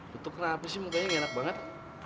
betul kenapa sih mukanya gak enak banget